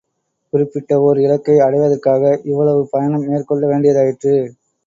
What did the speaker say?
குறிப்பிட்ட ஓர் இலக்கை அடைவதற்காக இவ்வளவு பயணம் மேற்கொள்ள வேண்டியதாயிற்று.